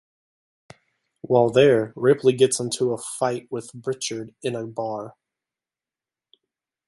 While there, Ripley gets into a fight with Pritchard in a bar.